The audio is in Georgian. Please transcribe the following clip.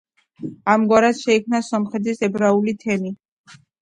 ამგვარად, შეიქმნა სომხეთის ებრაული თემი.